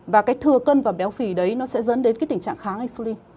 và cái thừa cân và béo phỉ đấy nó sẽ dẫn đến tình trạng kháng insulin